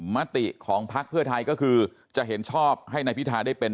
มติของพักเพื่อไทยก็คือจะเห็นชอบให้นายพิทาได้เป็น